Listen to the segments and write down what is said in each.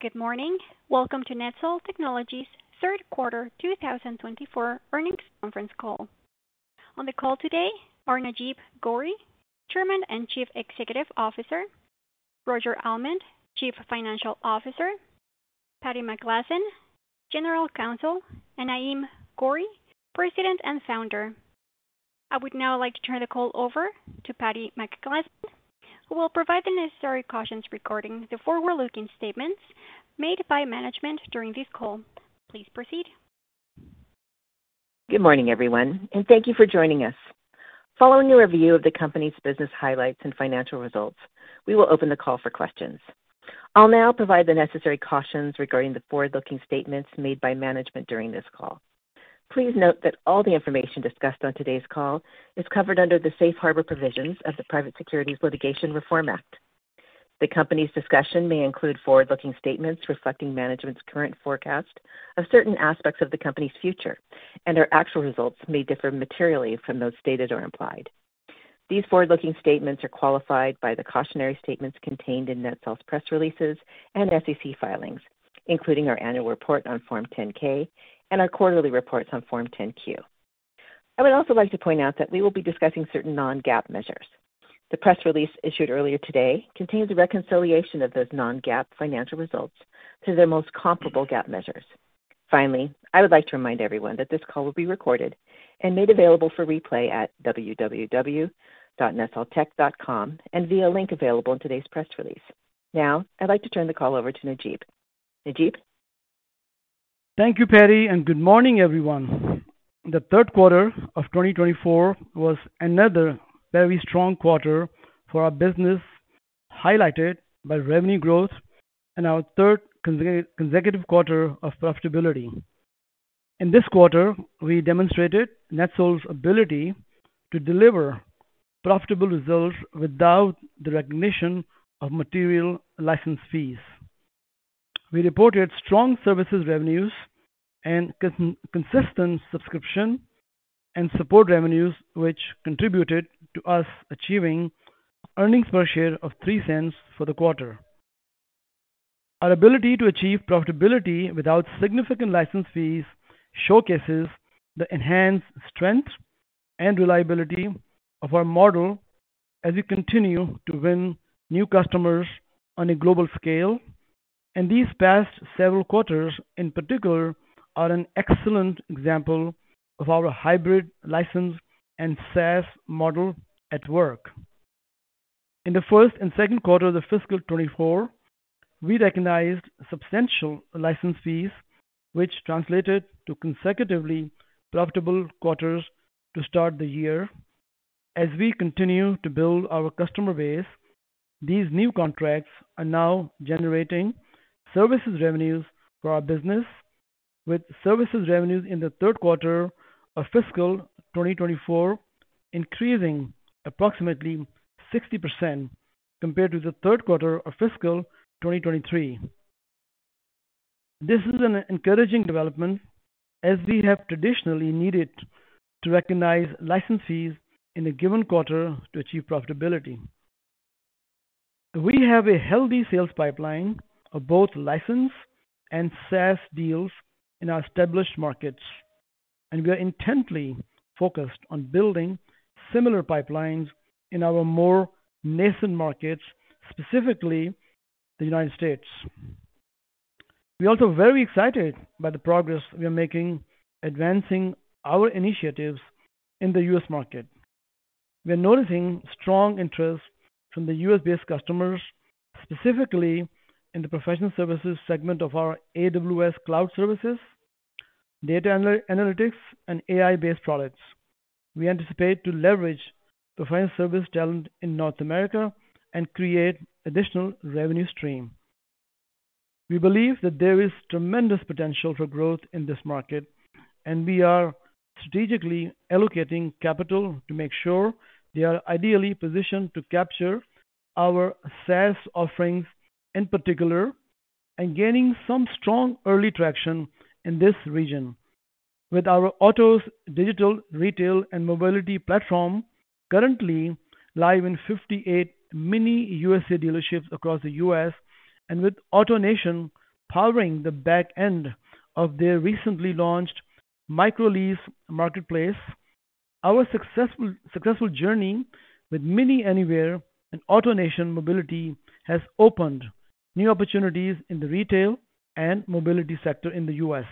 Good morning. Welcome to NetSol Technologies' Third Quarter 2024 Earnings Conference Call. On the call today are Najeeb Ghauri, Chairman and Chief Executive Officer, Roger Almond, Chief Financial Officer, Patti McGlasson, General Counsel, and Naeem Ghauri, President and Founder. I would now like to turn the call over to Patti McGlasson, who will provide the necessary cautions regarding the forward-looking statements made by management during this call. Please proceed. Good morning, everyone, and thank you for joining us. Following a review of the company's business highlights and financial results, we will open the call for questions. I'll now provide the necessary cautions regarding the forward-looking statements made by management during this call. Please note that all the information discussed on today's call is covered under the Safe Harbor provisions of the Private Securities Litigation Reform Act. The company's discussion may include forward-looking statements reflecting management's current forecast of certain aspects of the company's future, and their actual results may differ materially from those stated or implied. These forward-looking statements are qualified by the cautionary statements contained in NetSol's press releases and SEC filings, including our annual report on Form 10-K and our quarterly reports on Form 10-Q. I would also like to point out that we will be discussing certain non-GAAP measures. The press release issued earlier today contains a reconciliation of those non-GAAP financial results to their most comparable GAAP measures. Finally, I would like to remind everyone that this call will be recorded and made available for replay at www.netsoltech.com and via link available in today's press release. Now, I'd like to turn the call over to Najeeb. Najeeb? Thank you, Patti, and good morning, everyone. The third quarter of 2024 was another very strong quarter for our business, highlighted by revenue growth and our third consecutive quarter of profitability. In this quarter, we demonstrated NetSol's ability to deliver profitable results without the recognition of material license fees. We reported strong services revenues and consistent subscription and support revenues, which contributed to us achieving earnings per share of $0.03 for the quarter. Our ability to achieve profitability without significant license fees showcases the enhanced strength and reliability of our model as we continue to win new customers on a global scale, and these past several quarters in particular are an excellent example of our hybrid license and SaaS model at work. In the 1st and 2nd quarter of fiscal 2024, we recognized substantial license fees, which translated to consecutively profitable quarters to start the year. As we continue to build our customer base, these new contracts are now generating services revenues for our business, with services revenues in the 3rd quarter of fiscal 2024 increasing approximately 60% compared to the third quarter of fiscal 2023. This is an encouraging development as we have traditionally needed to recognize license fees in a given quarter to achieve profitability. We have a healthy sales pipeline of both license and SaaS deals in our established markets, and we are intently focused on building similar pipelines in our more nascent markets, specifically the United States. We are also very excited by the progress we are making, advancing our initiatives in the U.S. market. We are noticing strong interest from the U.S.-based customers, specifically in the professional services segment of our AWS Cloud Services, data analytics, and AI-based products. We anticipate to leverage professional service talent in North America and create additional revenue stream. We believe that there is tremendous potential for growth in this market, and we are strategically allocating capital to make sure we are ideally positioned to capture our SaaS offerings in particular, and gaining some strong early traction in this region. With our Otoz digital, retail, and mobility platform currently live in 58 MINI USA dealerships across the U.S., and with AutoNation powering the back end of their recently launched micro lease marketplace, our successful journey with MINI Anywhere and AutoNation Mobility has opened new opportunities in the retail and mobility sector in the U.S.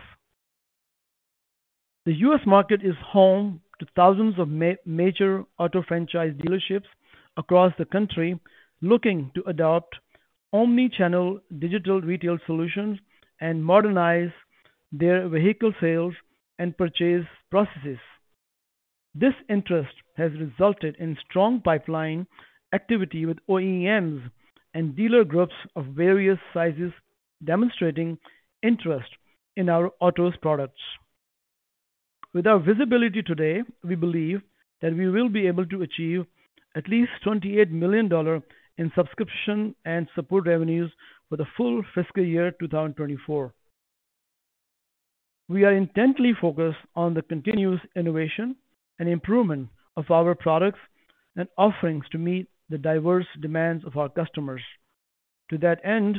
The U.S. market is home to thousands of major auto franchise dealerships across the country looking to adopt omni-channel digital retail solutions and modernize their vehicle sales and purchase processes. This interest has resulted in strong pipeline activity with OEMs and dealer groups of various sizes, demonstrating interest in our Otoz products. With our visibility today, we believe that we will be able to achieve at least $28 million in subscription and support revenues for the full fiscal year 2024. We are intently focused on the continuous innovation and improvement of our products and offerings to meet the diverse demands of our customers. To that end,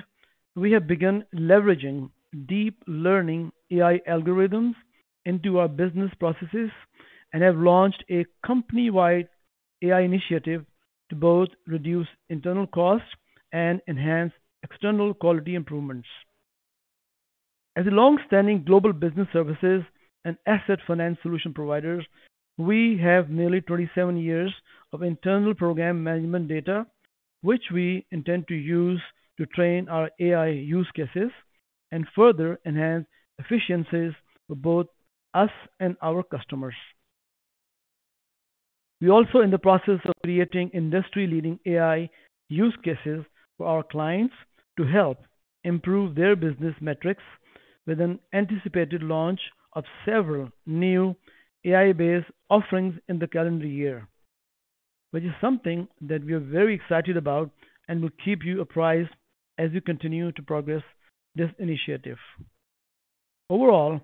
we have begun leveraging deep learning AI algorithms into our business processes and have launched a company-wide AI initiative to both reduce internal costs and enhance external quality improvements. As a long-standing global business services and asset finance solution providers, we have nearly 27 years of internal program management data, which we intend to use to train our AI use cases and further enhance efficiencies for both us and our customers. We're also in the process of creating industry-leading AI use cases for our clients to help improve their business metrics, with an anticipated launch of several new AI-based offerings in the calendar year, which is something that we are very excited about and will keep you apprised as we continue to progress this initiative. Overall,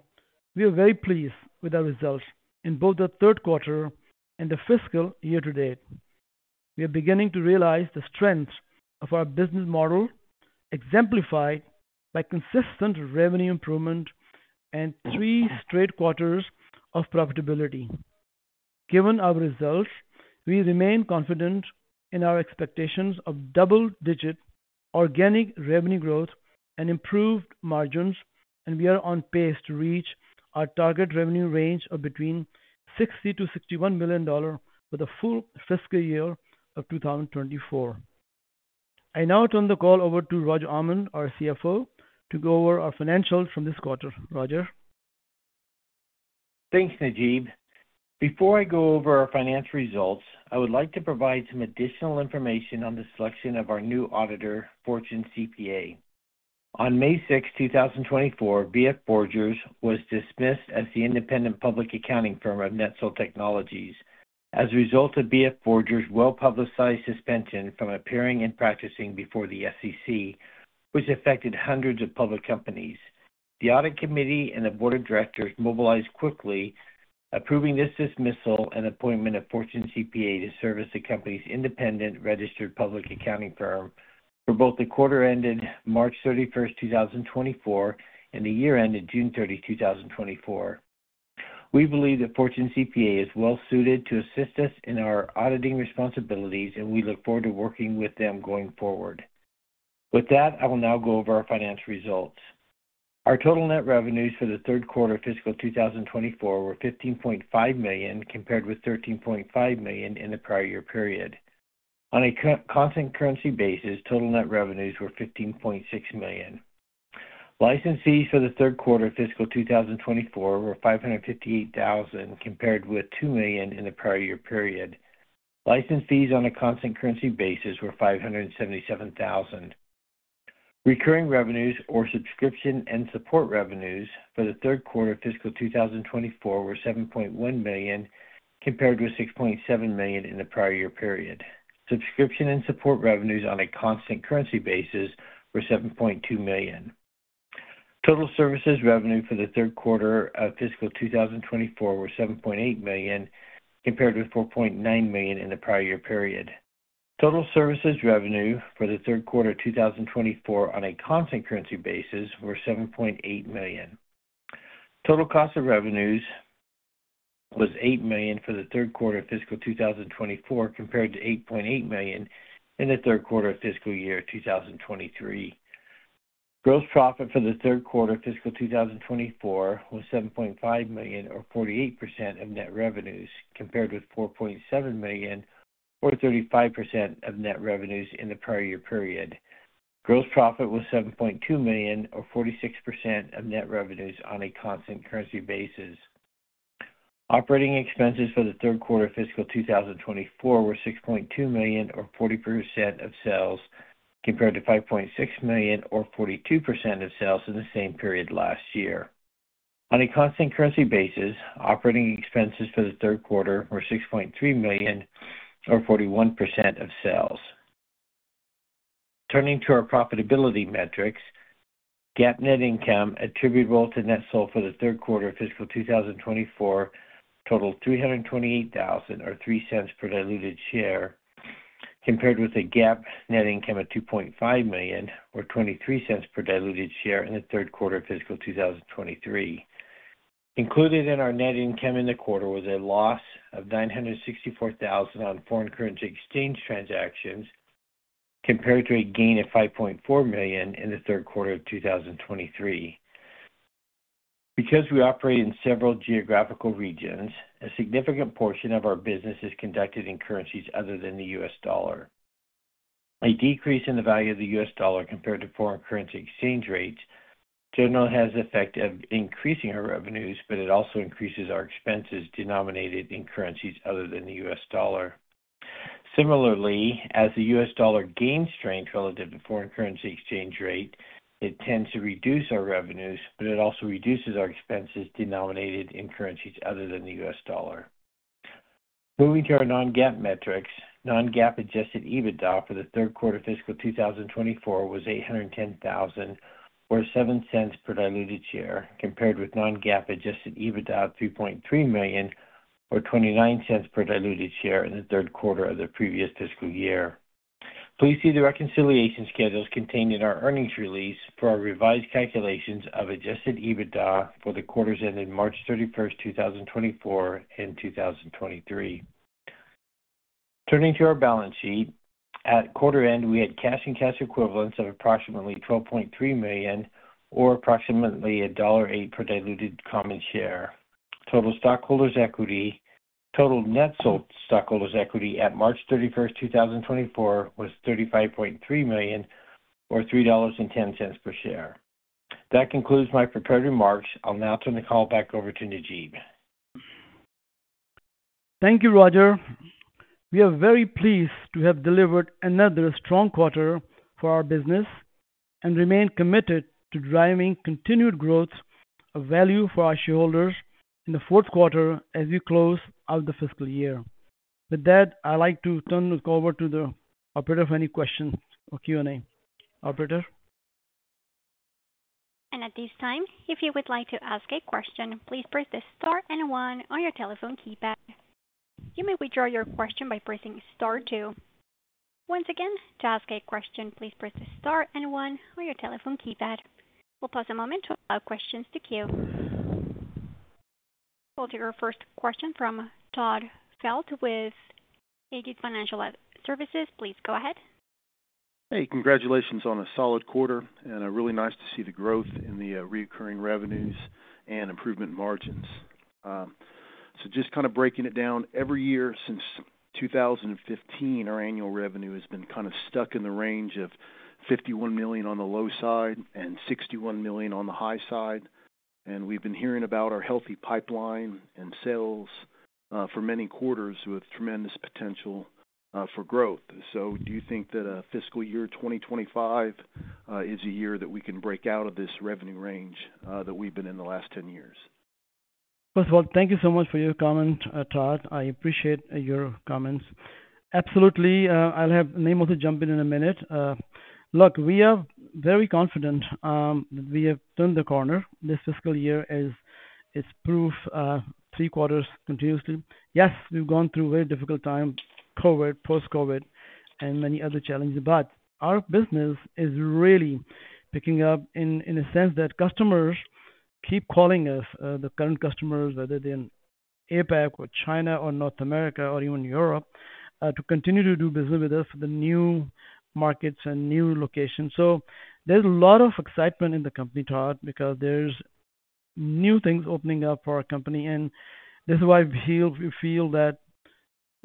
we are very pleased with our results in both the third quarter and the fiscal year to date. We are beginning to realize the strength of our business model, exemplified by consistent revenue improvement and three straight quarters of profitability. Given our results, we remain confident in our expectations of double-digit organic revenue growth and improved margins, and we are on pace to reach our target revenue range of between $60 million-$61 million for the full fiscal year of 2024. I now turn the call over to Roger Almond, our CFO, to go over our financials from this quarter. Roger? Thanks, Najeeb. Before I go over our financial results, I would like to provide some additional information on the selection of our new auditor, Fortune CPA. On May 6, 2024, BF Borgers was dismissed as the independent public accounting firm of NetSol Technologies as a result of BF Borgers' well-publicized suspension from appearing and practicing before the SEC, which affected hundreds of public companies. The audit committee and the board of directors mobilized quickly, approving this dismissal and appointment of Fortune CPA to serve as the company's independent registered public accounting firm for both the quarter ended March 31, 2024, and the year ended June 30, 2024. We believe that Fortune CPA is well-suited to assist us in our auditing responsibilities, and we look forward to working with them going forward. With that, I will now go over our financial results. Our total net revenues for the third quarter of fiscal 2024 were $15.5 million, compared with $13.5 million in the prior year period. On a constant currency basis, total net revenues were $15.6 million. License fees for the third quarter of fiscal 2024 were $558 thousand, compared with $2 million in the prior year period. License fees on a constant currency basis were $577 thousand. Recurring revenues or subscription and support revenues for the third quarter of fiscal 2024 were $7.1 million, compared with $6.7 million in the prior year period. Subscription and support revenues on a constant currency basis were $7.2 million. Total services revenue for the third quarter of fiscal 2024 were $7.8 million, compared with $4.9 million in the prior year period. Total services revenue for the third quarter of 2024 on a constant currency basis were $7.8 million. Total cost of revenues was $8 million for the third quarter of fiscal 2024, compared to $8.8 million in the third quarter of fiscal year 2023. Gross profit for the third quarter of fiscal 2024 was $7.5 million, or 48% of net revenues, compared with $4.7 million, or 35% of net revenues in the prior year period. Gross profit was $7.2 million, or 46% of net revenues on a constant currency basis. Operating expenses for the third quarter of fiscal 2024 were $6.2 million, or 40% of sales, compared to $5.6 million or 42% of sales in the same period last year. On a constant currency basis, operating expenses for the third quarter were $6.3 million, or 41% of sales. Turning to our profitability metrics, GAAP net income attributable to NetSol for the third quarter of fiscal 2024 totaled $328,000, or $0.03 per diluted share, compared with a GAAP net income of $2.5 million, or $0.23 per diluted share in the third quarter of fiscal 2023. Included in our net income in the quarter was a loss of $964,000 on foreign currency exchange transactions, compared to a gain of $5.4 million in the third quarter of 2023. Because we operate in several geographical regions, a significant portion of our business is conducted in currencies other than the U.S. dollar. A decrease in the value of the U.S. dollar compared to foreign currency exchange rates generally has the effect of increasing our revenues, but it also increases our expenses denominated in currencies other than the U.S. dollar. Similarly, as the U.S. dollar gains strength relative to foreign currency exchange rate, it tends to reduce our revenues, but it also reduces our expenses denominated in currencies other than the U.S. dollar. Moving to our non-GAAP metrics. Non-GAAP adjusted EBITDA for the third quarter of fiscal 2024 was $810,000, or $0.07 per diluted share, compared with non-GAAP adjusted EBITDA of $3.3 million or $0.29 per diluted share in the third quarter of the previous fiscal year. Please see the reconciliation schedules contained in our earnings release for our revised calculations of adjusted EBITDA for the quarters ending March 31, 2024 and 2023. Turning to our balance sheet. At quarter end, we had cash and cash equivalents of approximately $12.3 million, or approximately $1.08 per diluted common share. Total stockholders' equity, total net stockholders' equity at March 31, 2024, was $35.3 million, or $3.10 per share. That concludes my prepared remarks. I'll now turn the call back over to Najeeb. Thank you, Roger. We are very pleased to have delivered another strong quarter for our business and remain committed to driving continued growth of value for our shareholders in the fourth quarter as we close out the fiscal year. With that, I'd like to turn the call over to the operator for any questions or Q&A. Operator? At this time, if you would like to ask a question, please press star and one on your telephone keypad. You may withdraw your question by pressing star two. Once again, to ask a question, please press star and one on your telephone keypad. We'll pause a moment to allow questions to queue. We'll take our first question from Todd Felte with AGES Financial Services. Please go ahead. Hey, congratulations on a solid quarter, and really nice to see the growth in the recurring revenues and improvement margins. So just kind of breaking it down, every year since 2015, our annual revenue has been kind of stuck in the range of $51 million-$61 million. And we've been hearing about our healthy pipeline and sales for many quarters with tremendous potential for growth. So do you think that fiscal year 2025 is a year that we can break out of this revenue range that we've been in the last 10 years? First of all, thank you so much for your comment, Todd. I appreciate your comments. Absolutely. I'll have Naeem also jump in in a minute. Look, we are very confident, we have turned the corner. This fiscal year is proof, three quarters continuously. Yes, we've gone through a very difficult time, COVID, post-COVID, and many other challenges, but our business is really picking up in a sense that customers keep calling us, the current customers, whether they're in APAC or China or North America or even Europe, to continue to do business with us for the new markets and new locations. So there's a lot of excitement in the company, Todd, because there's new things opening up for our company, and this is why we feel that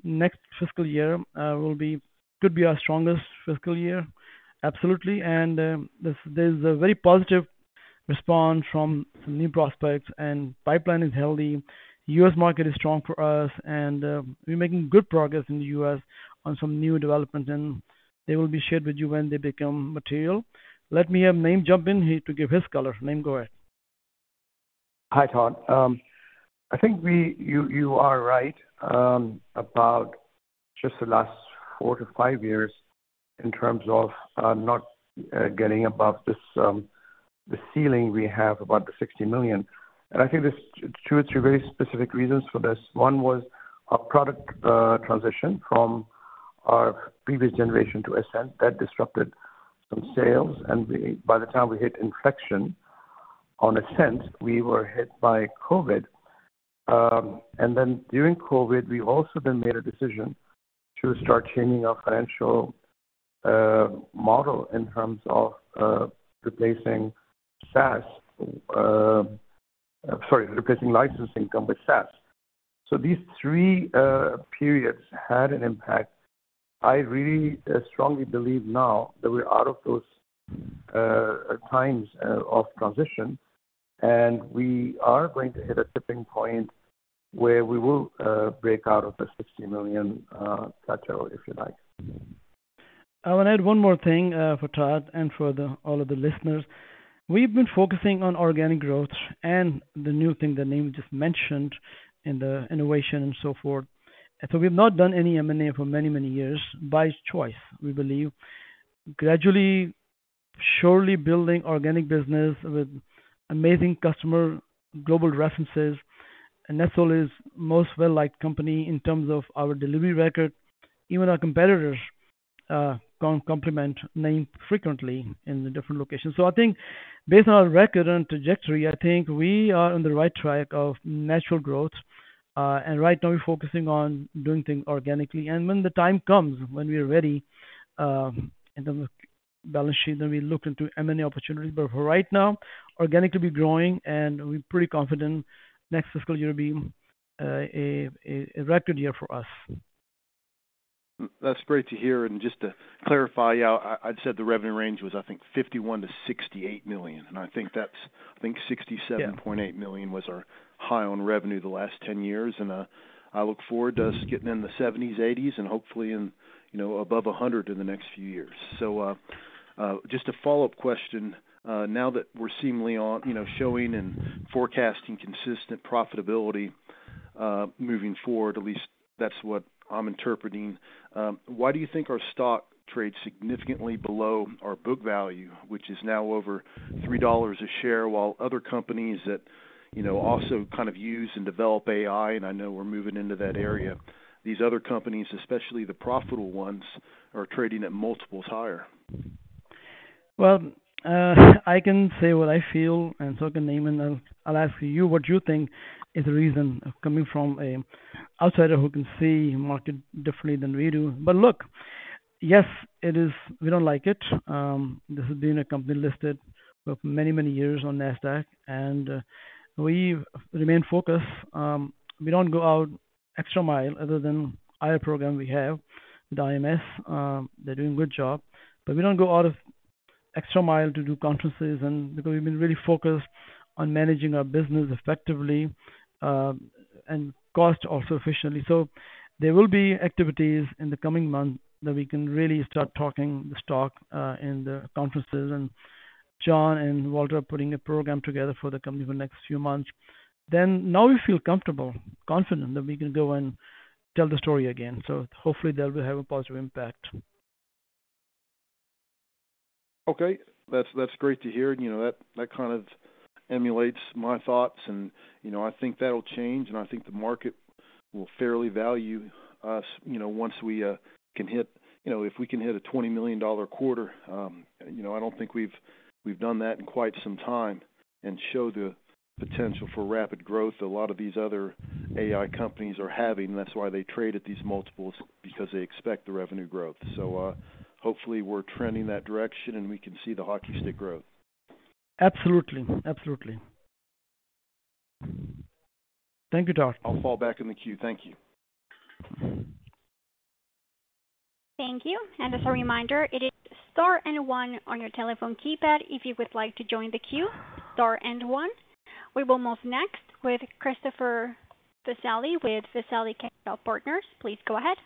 next fiscal year will be, could be our strongest fiscal year. Absolutely. And there's a very positive response from some new prospects, and pipeline is healthy. U.S. market is strong for us, and we're making good progress in the U.S. on some new developments, and they will be shared with you when they become material. Let me have Naeem jump in here to give his color. Naeem, go ahead. Hi, Todd. I think you are right about just the last 4 years-5 years in terms of not getting above this, the ceiling we have about the $60 million. I think there's two or three very specific reasons for this. One was a product transition from our previous generation to Ascent. That disrupted some sales, and by the time we hit inflection on Ascent, we were hit by COVID. And then during COVID, we've also then made a decision to start changing our financial model in terms of replacing SaaS, sorry, replacing licensing income with SaaS. So these three periods had an impact. I really strongly believe now that we're out of those times of transition, and we are going to hit a tipping point where we will break out of the $60 million plateau, if you like. I want to add one more thing, for Todd and for the, all of the listeners. We've been focusing on organic growth and the new thing that Naeem just mentioned in the innovation and so forth. And so we've not done any M&A for many, many years, by choice, we believe. Gradually, surely building organic business with amazing customer, global references, and NetSol is most well-liked company in terms of our delivery record. Even our competitors, compliment Naeem frequently in the different locations. So I think based on our record and trajectory, I think we are on the right track of natural growth. And right now we're focusing on doing things organically, and when the time comes, when we are ready, in terms of balance sheet, then we look into M&A opportunities. But for right now, organically, we're growing and we're pretty confident next fiscal year will be a record year for us. That's great to hear. And just to clarify, yeah, I, I'd said the revenue range was, I think, $51 million-$68 million, and I think that's, I think $67.8 million was our high on revenue the last 10 years. I look forward to us getting in the $70 million, $80 million and hopefully in, you know, above $100 million in the next few years. So, just a follow-up question. Now that we're seemingly on, you know, showing and forecasting consistent profitability, moving forward, at least that's what I'm interpreting, why do you think our stock trades significantly below our book value, which is now over $3 a share, while other companies that, you know, also kind of use and develop AI, and I know we're moving into that area. These other companies, especially the profitable ones, are trading at multiples higher. Well, I can say what I feel, and so can Naeem, and then I'll ask you what you think is the reason, coming from an outsider who can see market differently than we do. But look, yes, it is. We don't like it. This has been a company listed for many, many years on Nasdaq, and we've remained focused. We don't go out extra mile other than our program we have with IMS. They're doing a good job, but we don't go out of extra mile to do conferences and because we've been really focused on managing our business effectively, and cost also efficiently. So there will be activities in the coming months that we can really start talking the stock in the conferences, and John and Walter are putting a program together for the company for the next few months. Then, now we feel comfortable, confident that we can go and tell the story again. So hopefully that will have a positive impact. Okay, that's great to hear. You know, that kind of emulates my thoughts and, you know, I think that'll change, and I think the market will fairly value us, you know, once we can hit, you know, if we can hit a $20 million quarter, you know, I don't think we've done that in quite some time and show the potential for rapid growth. A lot of these other AI companies are having, that's why they trade at these multiples, because they expect the revenue growth. So, hopefully, we're trending that direction, and we can see the hockey stick growth. Absolutely. Absolutely. Thank you, Todd. I'll fall back in the queue. Thank you. Thank you. As a reminder, it is star and one on your telephone keypad if you would like to join the queue, star and one. We will move next with Christopher Visalli with Visalli Capital Partners. Please go ahead.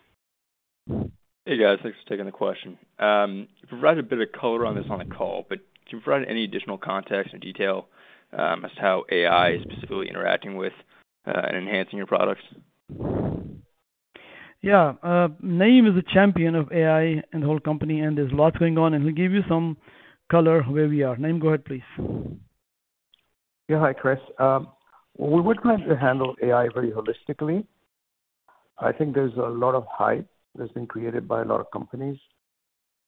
Hey, guys. Thanks for taking the question. You provided a bit of color on this on the call, but can you provide any additional context or detail, as to how AI is specifically interacting with, and enhancing your products? Yeah. Naeem is a champion of AI in the whole company, and there's a lot going on, and he'll give you some color where we are. Naeem, go ahead, please. Yeah. Hi, Chris. We would like to handle AI very holistically. I think there's a lot of hype that's been created by a lot of companies.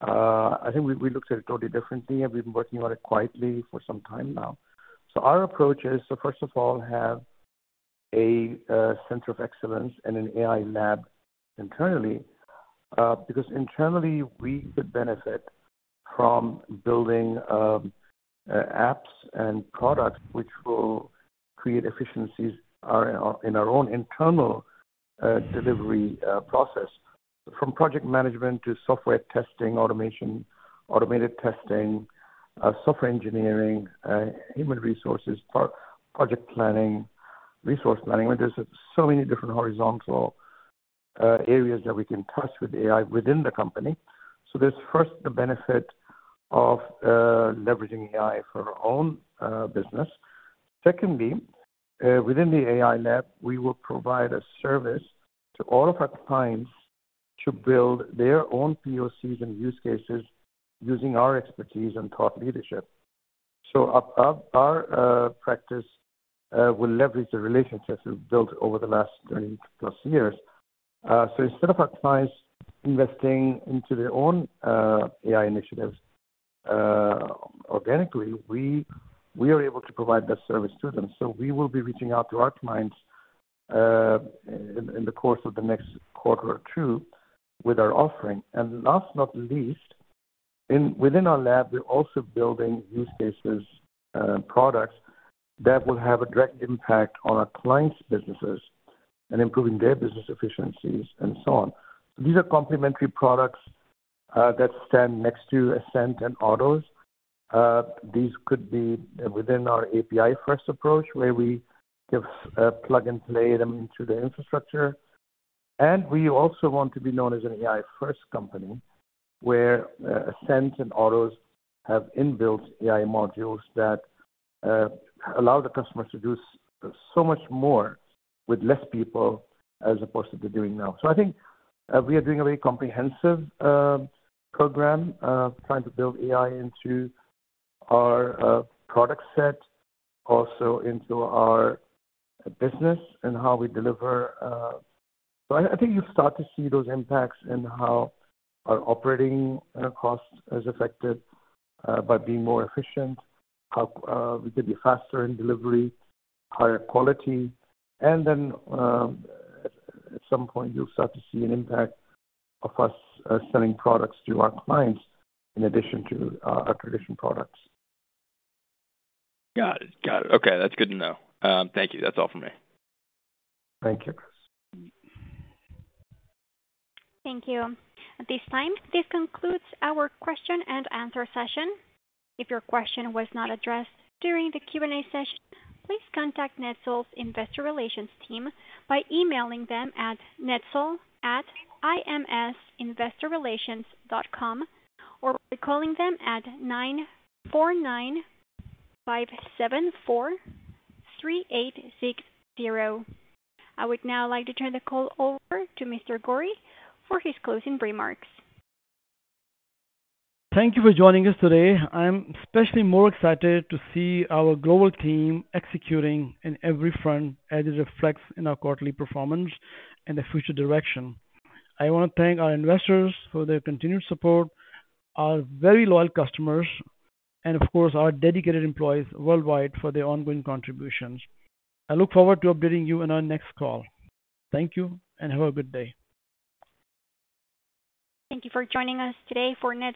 I think we looked at it totally differently, and we've been working on it quietly for some time now. So our approach is, first of all, have a center of excellence and an AI lab internally, because internally we could benefit from building apps and products which will create efficiencies in our own internal delivery process, from project management to software testing, automation, automated testing, software engineering, human resources, project planning, resource planning. There's so many different horizontal areas that we can touch with AI within the company. So there's first, the benefit of leveraging AI for our own business. Secondly, within the AI lab, we will provide a service to all of our clients to build their own POCs and use cases using our expertise and thought leadership. So our practice will leverage the relationships we've built over the last 20 years+. So instead of our clients investing into their own AI initiatives organically, we are able to provide that service to them. So we will be reaching out to our clients in the course of the next quarter or two with our offering. And last not least, within our lab, we're also building use cases, products that will have a direct impact on our clients' businesses and improving their business efficiencies and so on. These are complementary products that stand next to Ascent and Otoz. These could be within our API-first approach, where we give plug and play them into the infrastructure. And we also want to be known as an AI-first company, where Ascent and Otoz have inbuilt AI modules that allow the customers to do so much more with less people as opposed to doing now. So I think we are doing a very comprehensive program trying to build AI into our product set, also into our business and how we deliver. So I think you'll start to see those impacts in how our operating costs is affected by being more efficient, how we could be faster in delivery, higher quality, and then at some point, you'll start to see an impact of us selling products to our clients in addition to our traditional products. Got it. Got it. Okay, that's good to know. Thank you. That's all for me. Thank you, Chris. Thank you. At this time, this concludes our question and answer session. If your question was not addressed during the Q&A session, please contact NetSol's investor relations team by emailing them at netsol@imsinvestorrelations.com or by calling them at 949-574-3860. I would now like to turn the call over to Mr. Ghauri for his closing remarks. Thank you for joining us today. I'm especially more excited to see our global team executing in every front as it reflects in our quarterly performance and the future direction. I want to thank our investors for their continued support, our very loyal customers, and of course, our dedicated employees worldwide for their ongoing contributions. I look forward to updating you in our next call. Thank you and have a good day. Thank you for joining us today for NetSol...